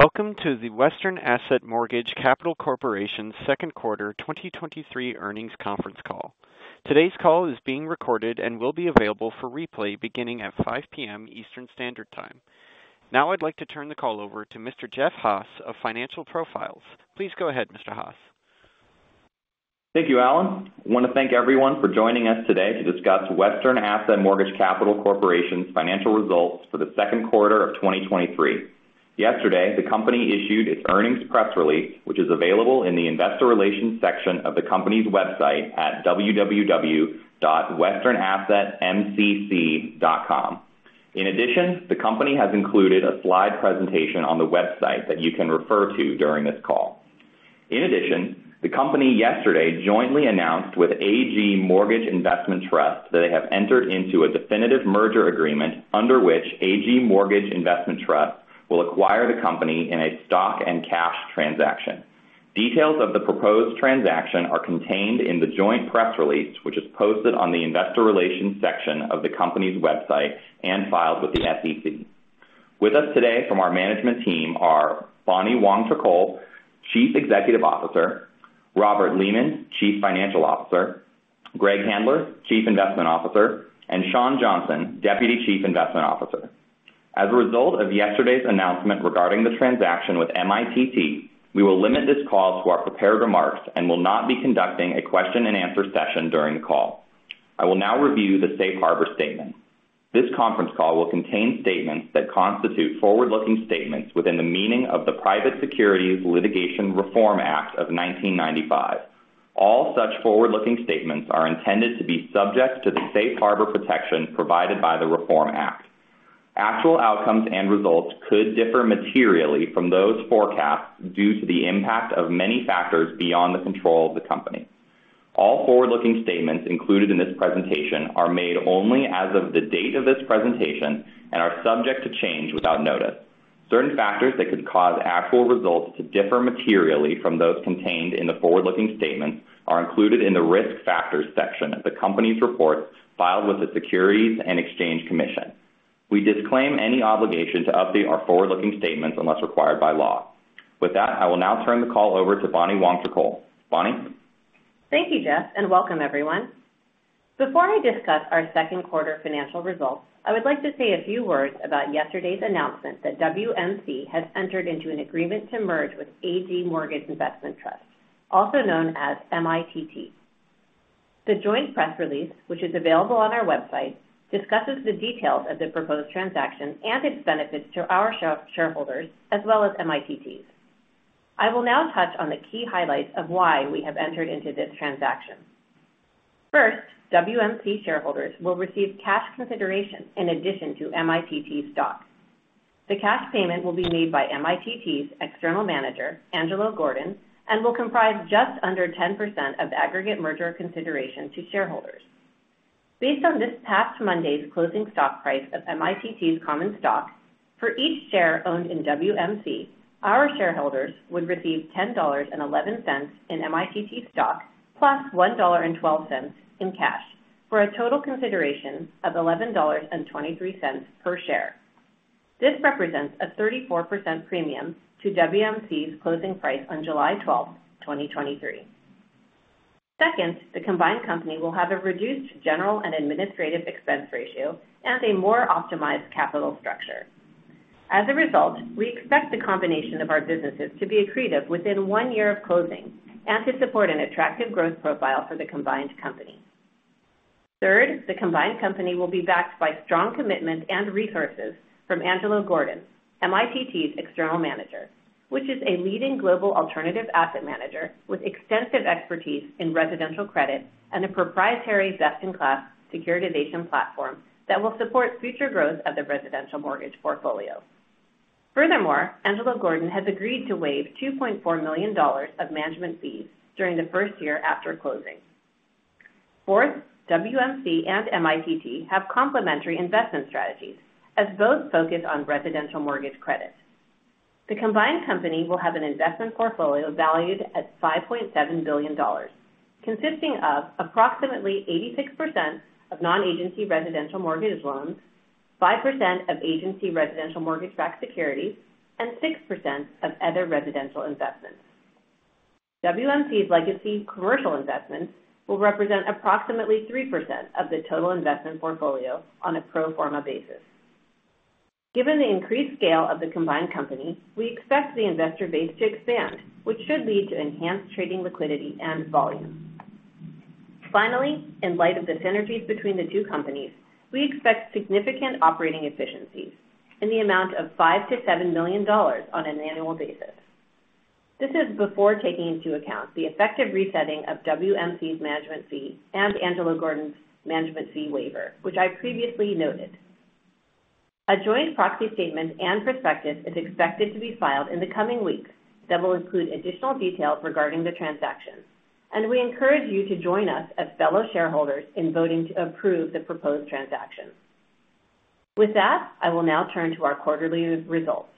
Welcome to the Western Asset Mortgage Capital Corporation's Q2 2023 earnings conference call. Today's call is being recorded and will be available for replay beginning at 5:00 P.M. Eastern Standard Time. I'd like to turn the call over to Mr. Jeff Haas of Financial Profiles. Please go ahead, Mr. Haas. Thank you, Alan. I want to thank everyone for joining us today to discuss Western Asset Mortgage Capital Corporation's financial results for the Q2 2023. Yesterday, the company issued its earnings press release, which is available in the investor relations section of the company's website at www.westernassetmcc.com. In addition, the company has included a slide presentation on the website that you can refer to during this call. In addition, the company yesterday jointly announced with AG Mortgage Investment Trust that they have entered into a definitive merger agreement under which AG Mortgage Investment Trust will acquire the company in a stock and cash transaction. Details of the proposed transaction are contained in the joint press release, which is posted on the investor relations section of the company's website and filed with the SEC. With us today from our management team are Bonnie Wongtrakool, Chief Executive Officer, Robert Lehman, Chief Financial Officer, Greg Handler, Chief Investment Officer, and Sean Johnson, Deputy Chief Investment Officer. As a result of yesterday's announcement regarding the transaction with MITT, we will limit this call to our prepared remarks and will not be conducting a question-and-answer session during the call. I will now review the Safe Harbor statement. This conference call will contain statements that constitute forward-looking statements within the meaning of the Private Securities Litigation Reform Act of 1995. All such forward-looking statements are intended to be subject to the safe harbor protection provided by the Reform Act. Actual outcomes and results could differ materially from those forecasts due to the impact of many factors beyond the control of the company. All forward-looking statements included in this presentation are made only as of the date of this presentation and are subject to change without notice. Certain factors that could cause actual results to differ materially from those contained in the forward-looking statements are included in the Risk Factors section of the Company's report filed with the Securities and Exchange Commission. We disclaim any obligation to update our forward-looking statements unless required by law. With that, I will now turn the call over to Bonnie Wongtrakool. Bonnie? Thank you, Jeff. Welcome everyone. Before I discuss our Q2 financial results, I would like to say few words about yesterday's announcement that WMC has entered into an agreement to merge with AG Mortgage Investment Trust, also known as MITT. The joint press release, which is available on our website, discusses the details of the proposed transaction and its benefits to our shareholders, as well as MITT's. I will now touch on the key highlights of why we have entered into this transaction. First, WMC shareholders will receive cash consideration in addition to MITT stock. The cash payment will be made by MITT's external manager, Angelo Gordon, and will comprise just under 10% of aggregate merger consideration to shareholders. Based on this past Monday's closing stock price of MITT's common stock, for each share owned in WMC, our shareholders would receive $10.11 in MITT stock, plus $1.12 in cash, for a total consideration of $11.23 per share. This represents a 34% premium to WMC's closing price on July 12, 2023. Second, the combined company will have a reduced general and administrative expense ratio and a more optimized capital structure. As a result, we expect the combination of our businesses to be accretive within one year of closing and to support an attractive growth profile for the combined company. Third, the combined company will be backed by strong commitment and resources from Angelo Gordon, MITT's external manager, which is a leading global alternative asset manager with extensive expertise in residential credit and a proprietary best-in-class securitization platform that will support future growth of the residential mortgage portfolio. Furthermore, Angelo Gordon, has agreed to waive $2.4 million of management fees during the first year after closing. Fourth, WMC and MITT have complementary investment strategies, as both focus on residential mortgage credit. The combined company will have an investment portfolio valued at $5.7 billion, consisting of approximately 86% of non-agency residential mortgage loans, 5% of agency residential mortgage-backed securities, and 6% of other residential investments. WMC's legacy commercial investments will represent approximately 3% of the total investment portfolio on a pro forma basis. Given the increased scale of the combined company, we expect the investor base to expand, which should lead to enhanced trading, liquidity, and volume. Finally, in light of the synergies between the two companies, we expect significant operating efficiencies in the amount of $5 million-$7 million on an annual basis. This is before taking into account the effective resetting of WMC's management fee and Angelo Gordon's management fee waiver, which I previously noted. A joint proxy statement and prospectus is expected to be filed in the coming weeks that will include additional details regarding the transaction. We encourage you to join us as fellow shareholders in voting to approve the proposed transaction. With that, I will now turn to our quarterly results.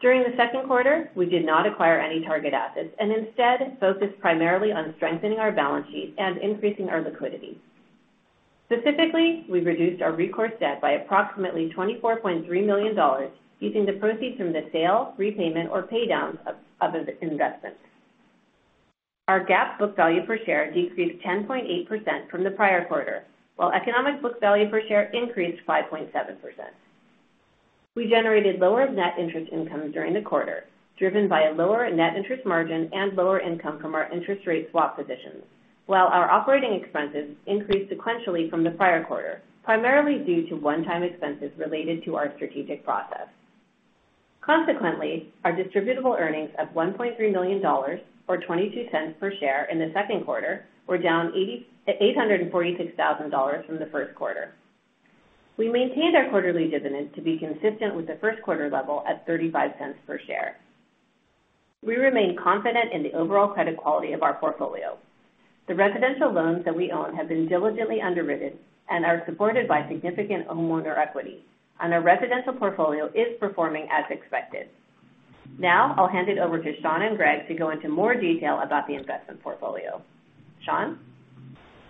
During the Q2, we did not acquire any target assets and instead focused primarily on strengthening our balance sheet and increasing our liquidity. Specifically, we reduced our recourse debt by approximately $24.3 million, using the proceeds from the sale, repayment, or pay downs of investments. Our GAAP book value per share decreased 10.8% from the prior quarter, while economic book value per share increased 5.7%. We generated lower net interest income during the quarter, driven by a lower net interest margin and lower income from our interest rate swap positions, while our operating expenses increased sequentially from the prior quarter, primarily due to one-time expenses related to our strategic process. Consequently, our distributable earnings of $1.3 million, or $0.22 per share in Q2, were down $884,600 from the Q1. We maintained our quarterly dividend to be consistent with the Q1 level at $0.35 per share. We remain confident in the overall credit quality of our portfolio. The residential loans that we own have been diligently underwritten and are supported by significant homeowner equity, and our residential portfolio is performing as expected. Now, I'll hand it over to Sean and Greg to go into more detail about the investment portfolio. Sean?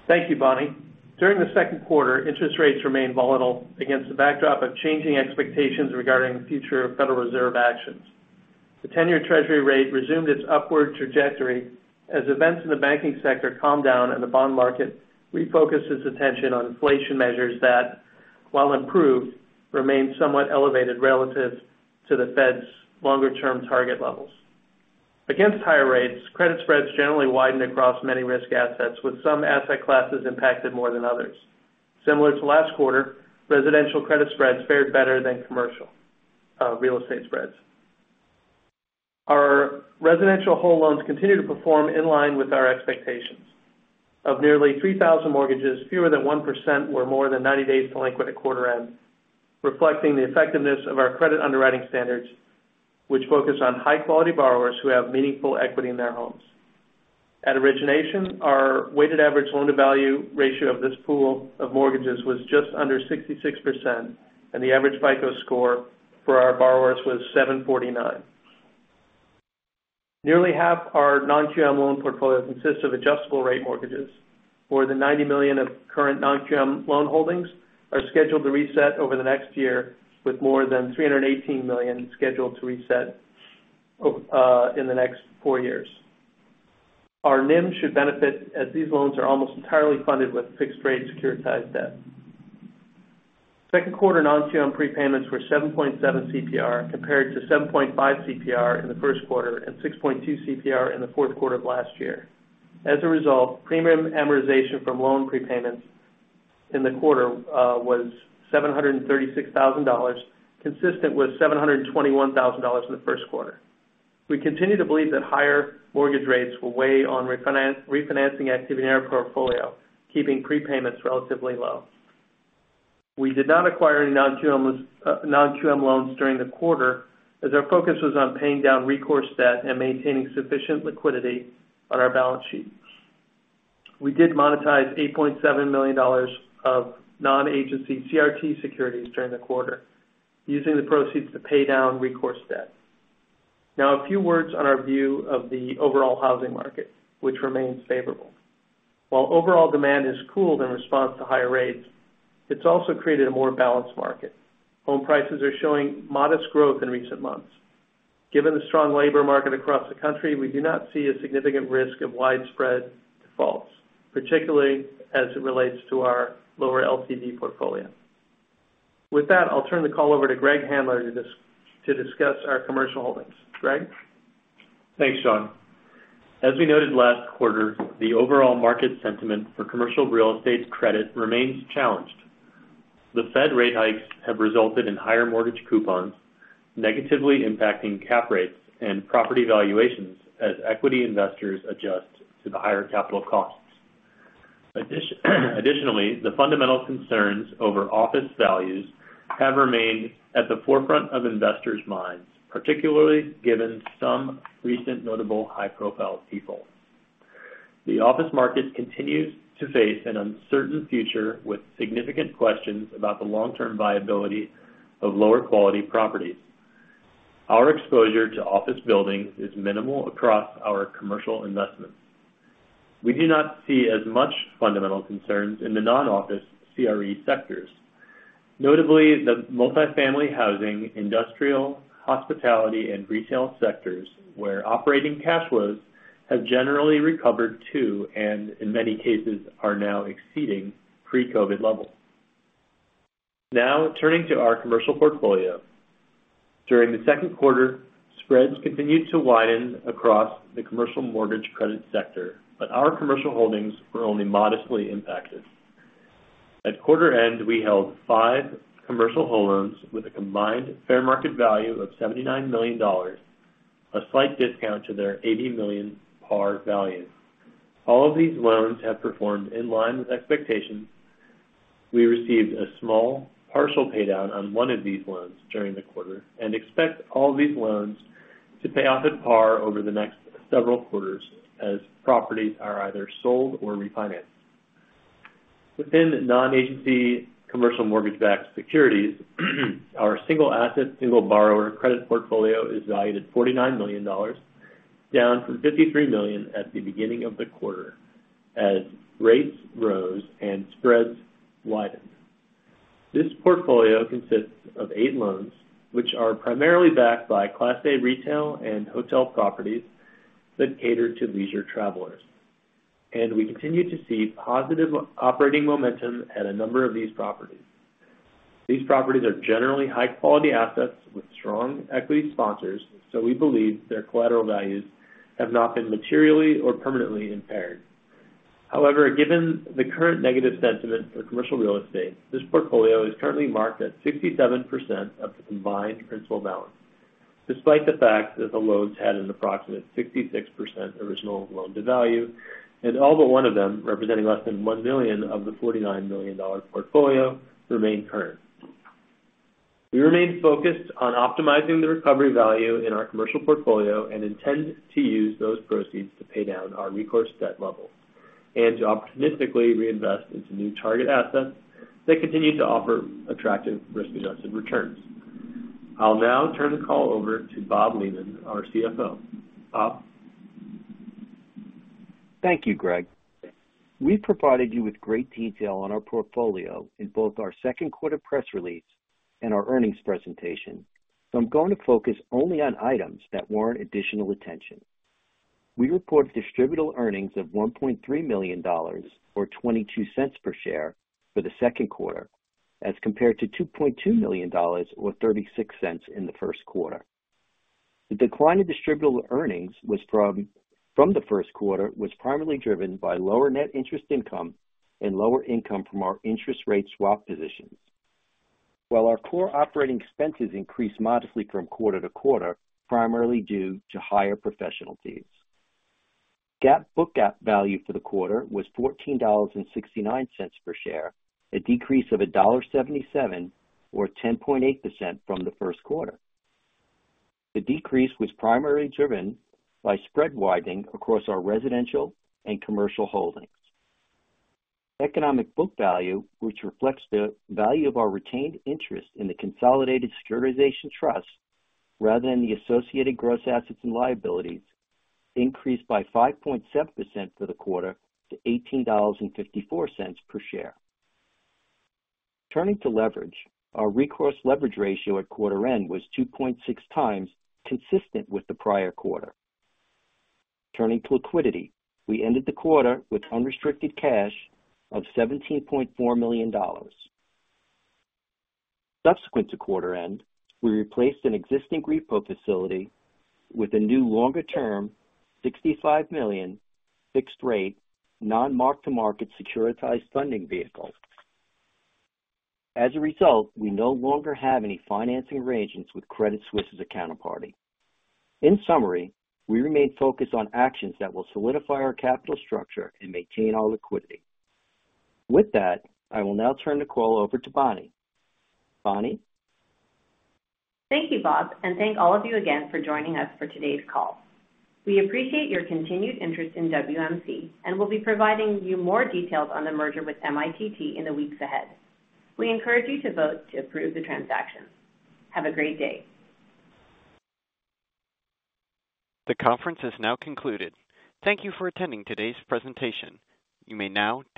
Thank you, Bonnie. During the Q2, interest rates remained volatile against the backdrop of changing expectations regarding future Federal Reserve actions. The 10-year treasury rate resumed its upward trajectory as events in the banking sector calmed down and the bond market refocused its attention on inflation measures that, while improved, remained somewhat elevated relative to the Fed's longer-term target levels. Against higher rates, credit spreads generally widened across many risk assets, with some asset classes impacted more than others. Similar to last quarter, residential credit spreads fared better than commercial real estate spreads. Our residential home loans continue to perform in line with our expectations. Of nearly 3,000 mortgages, fewer than 1% were more than 90 days delinquent at quarter end, reflecting the effectiveness of our credit underwriting standards, which focus on high-quality borrowers who have meaningful equity in their homes. At origination, our weighted average loan-to-value ratio of this pool of mortgages was just under 66%, and the average FICO score for our borrowers was 749. Nearly half our non-QM loan portfolio consists of adjustable-rate mortgages. More than $90 million of current non-QM loan holdings are scheduled to reset over the next year, with more than $318 million scheduled to reset in the next four years. Our NIM should benefit as these loans are almost entirely funded with fixed-rate securitized debt. Q2 non-QM prepayments were 7.7 CPR, compared to 7.5 CPR in Q1 and 6.2 CPR in Q4 of last year. As a result, premium amortization from loan prepayments in the quarter was $736,000, consistent with $721,000 in Q1. We continue to believe that higher mortgage rates will weigh on refinancing activity in our portfolio, keeping prepayments relatively low. We did not acquire any non-QM loans during the quarter, as our focus was on paying down recourse debt and maintaining sufficient liquidity on our balance sheet. We did monetize $8.7 million of non-agency CRT securities during the quarter, using the proceeds to pay down recourse debt. A few words on our view of the overall housing market, which remains favorable. While overall demand has cooled in response to higher rates, it's also created a more balanced market. Home prices are showing modest growth in recent months. Given the strong labor market across the country, we do not see a significant risk of widespread defaults, particularly as it relates to our lower LTV portfolio. With that, I'll turn the call over to Greg Handler to discuss our commercial holdings. Greg? Thanks, Sean. As we noted last quarter, the overall market sentiment for commercial real estate credit remains challenged. The Fed rate hikes have resulted in higher mortgage coupons, negatively impacting cap rates and property valuations as equity investors adjust to the higher capital costs. Additionally, the fundamental concerns over office values have remained at the forefront of investors' minds, particularly given some recent notable high-profile defaults. The office market continues to face an uncertain future with significant questions about the long-term viability of lower-quality properties. Our exposure to office buildings is minimal across our commercial investments. We do not see as much fundamental concerns in the non-office CRE sectors. Notably, the multifamily housing, industrial, hospitality, and retail sectors, where operating cash flows have generally recovered to, and in many cases, are now exceeding pre-COVID levels. Turning to our commercial portfolio. During the Q2, spreads continued to widen across the commercial mortgage credit sector, but our commercial holdings were only modestly impacted. At quarter end, we held five commercial whole loans with a combined fair market value of $79 million, a slight discount to their $80 million par value. All of these loans have performed in line with expectations. We received a small, partial paydown on one of these loans during the quarter and expect all these loans to pay off at par over the next several quarters as properties are either sold or refinanced. Within non-agency commercial mortgage-backed securities, our single asset, single borrower credit portfolio is valued at $49 million, down from $53 million at the beginning of the quarter as rates rose and spreads widened. This portfolio consists of 8 loans, which are primarily backed by Class A retail and hotel properties that cater to leisure travelers, and we continue to see positive operating momentum at a number of these properties. These properties are generally high-quality assets with strong equity sponsors, so we believe their collateral values have not been materially or permanently impaired. However, given the current negative sentiment for commercial real estate, this portfolio is currently marked at 67% of the combined principal balance, despite the fact that the loans had an approximate 66% original loan-to-value, and all but 1 of them, representing less than $1 million of the $49 million portfolio, remain current. We remain focused on optimizing the recovery value in our commercial portfolio and intend to use those proceeds to pay down our recourse debt level and to opportunistically reinvest into new target assets that continue to offer attractive risk-adjusted returns. I'll now turn the call over to Bob Lehman, our CFO. Bob? Thank you, Greg. We provided you with great detail on our portfolio in both our Q2 press release and our earnings presentation, I'm going to focus only on items that warrant additional attention. We report distributable earnings of $1.3 million, or $0.22 per share for the Q2, as compared to $2.2 million, or $0.36 in Q1. The decline in distributable earnings from the Q1 was primarily driven by lower net interest income and lower income from our interest rate swap positions. Our core operating expenses increased modestly from quarter to quarter, primarily due to higher professional fees. GAAP book value for the quarter was $14.69 per share, a decrease of $1.77, or 10.8% from the Q1. The decrease was primarily driven by spread widening across our residential and commercial holdings. Economic book value, which reflects the value of our retained interest in the consolidated securitization trust rather than the associated gross assets and liabilities, increased by 5.7% for the quarter to $18.54 per share. Turning to leverage, our recourse leverage ratio at quarter end was 2.6 times, consistent with the prior quarter. Turning to liquidity, we ended the quarter with unrestricted cash of $17.4 million. Subsequent to quarter end, we replaced an existing repo facility with a new longer-term, $65 million fixed rate, non-mark-to-market securitized funding vehicle. As a result, we no longer have any financing arrangements with Credit Suisse as a counterparty. In summary, we remain focused on actions that will solidify our capital structure and maintain our liquidity. With that, I will now turn the call over to Bonnie. Bonnie? Thank you, Bob. Thank all of you again for joining us for today's call. We appreciate your continued interest in WMC. We'll be providing you more details on the merger with MITT in the weeks ahead. We encourage you to vote to approve the transaction. Have a great day. The conference is now concluded. Thank you for attending today's presentation. You may now disconnect.